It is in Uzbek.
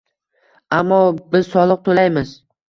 Ammo biz soliq toʼlaymiz.